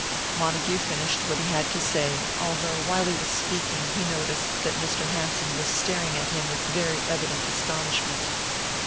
Montague finished what he had to say, although while he was speaking he noticed that Mr. Hanson was staring at him with very evident astonishment.